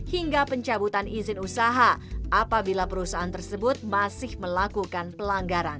hingga pencabutan izin usaha apabila perusahaan tersebut masih melakukan pelanggaran